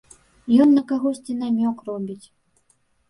Ён на кагосьці намёк робіць!